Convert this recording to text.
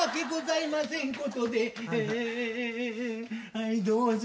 はいどうぞ。